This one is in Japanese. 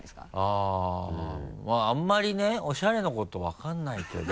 あぁまぁあんまりねおしゃれのこと分かんないけど。